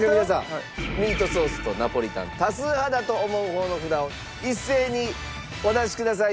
ミートソースとナポリタン多数派だと思う方の札を一斉にお出しください。